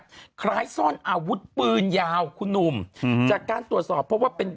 คล้ายซ่อนอาวุธปืนยาวคุณหนุ่มอืมจากการตรวจสอบเพราะว่าเป็น